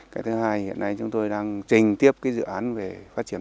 cái thứ hai hiện nay chúng tôi đang trình tiếp cái dự án về phát triển